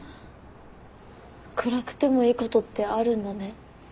暗くてもいいことってあるんだね。